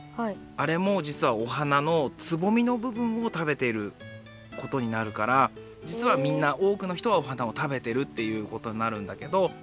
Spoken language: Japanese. あれもじつはお花のつぼみの部分を食べていることになるからじつはみんなおおくのひとはお花を食べてるっていうことになるんだけど。